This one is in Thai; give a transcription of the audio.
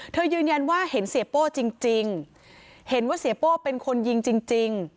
ยืนยันว่าเห็นเสียโป้จริงเห็นว่าเสียโป้เป็นคนยิงจริง